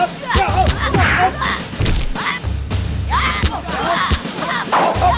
dia akan kabur kalian